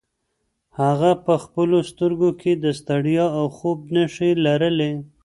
هغه په خپلو سترګو کې د ستړیا او خوب نښې لرلې.